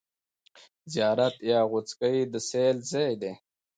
زیارت یا غوڅکۍ د سېل ځای دی.